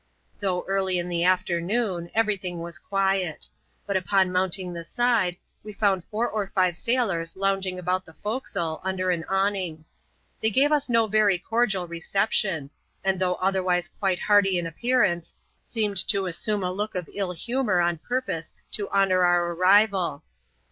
Though eariy in the afternoon, every thing was quiet ; but upon mounting the side, we found four or ^ye sailors lounging about the fore castle, under an awning. They gave us no very cordial re ception ; and though otherwise quite hearty in appearance, seemed to assume a lock of iU humour on purpose to honour our arrival.